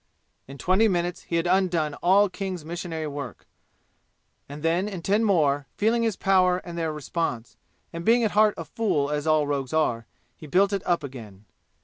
In twenty minutes he had undone all King's missionary work. And then in ten more, feeling his power and their response, and being at heart a fool as all rogues are, he built it up again.